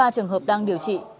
sáu mươi ba trường hợp đang điều trị